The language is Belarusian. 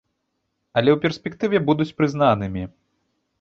Але ў перспектыве будуць прызнанымі.